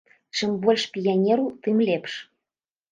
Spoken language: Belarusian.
Чым больш піянераў, тым лепш.